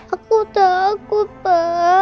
aku takut pa